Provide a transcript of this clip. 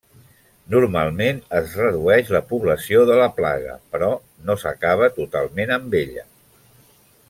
Normalment es redueix la població de la plaga però no s'acaba totalment amb ella.